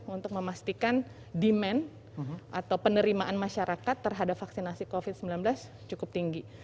untuk memastikan demand atau penerimaan masyarakat terhadap vaksinasi covid sembilan belas cukup tinggi